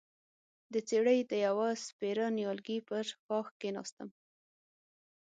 د څېړۍ د يوه سپېره نيالګي پر ښاخ کېناستم،